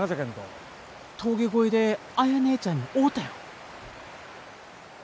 峠越えで綾ねえちゃんに会うたよ。